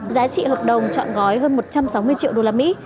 giá trị hợp đồng trọn gói hơn một trăm sáu mươi triệu usd